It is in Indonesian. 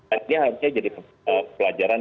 artinya jadi pelajaran